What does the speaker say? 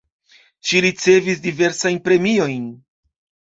Ŝi ricevis diversajn premiojn.